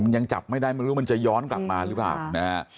ยังจับไม่ได้ไม่รู้มันจะย้อนกลับมาหรือเปล่านะฮะ